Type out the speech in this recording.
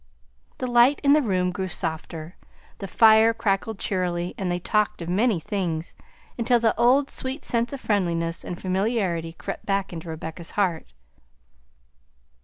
The light in the room grew softer, the fire crackled cheerily, and they talked of many things, until the old sweet sense of friendliness and familiarity crept back into Rebecca's heart.